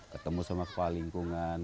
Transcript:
ketemu sama kepala lingkungan